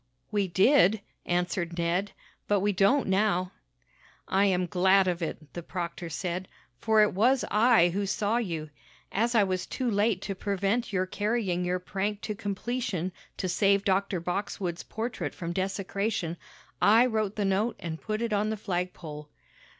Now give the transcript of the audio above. "We did," answered Ned, "but we don't now." "I am glad of it," the proctor said, "for it was I who saw you. As I was too late to prevent your carrying your prank to completion to save Dr. Boxwood's portrait from desecration, I wrote the note and put it on the flagpole."